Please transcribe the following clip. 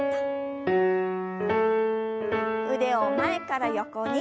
腕を前から横に。